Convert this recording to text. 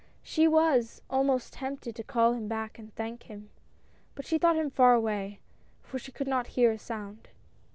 She was almost tempted to call him back and thank him, but she thought him far away, for she could not hear a sound.